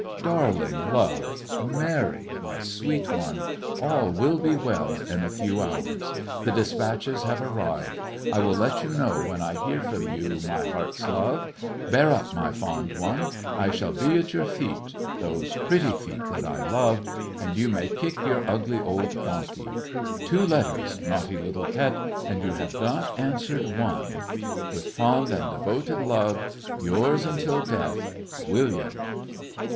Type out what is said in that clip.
Darling love, Mary, my sweet one, all will be well in a few hours. The dispatches have arrived. I will let you know when I hear from you, my heart's love. Bear up, my fond one. I shall be at your feet those pretty feet that I love and you may kick your ugly old donkey. Two letters, naughty little pet, and you have not answered one. "With fond and devoted love, "Yours, until death, "William."